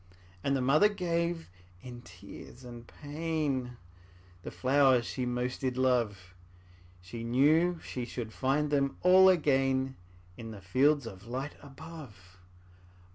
'' And the mother gave, in tears and pain, The flowers she most did love; She knew she should find them all again In the fields of light above.